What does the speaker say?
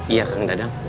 iya kang dadang